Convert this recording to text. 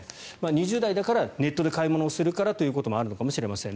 ２０代だからネットで買い物するからということもあるのかもしれません。